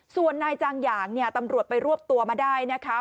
ส่วนนายจางหยางเนี่ยตำรวจไปรวบตัวมาได้นะคะ